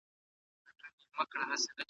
رنځونه انسان ته د ژوند حقیقت ښیي.